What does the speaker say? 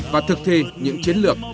và thực thi những chiến lược